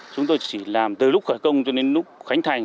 chúng tôi chỉ làm từ lúc khởi công cho đến lúc khánh thành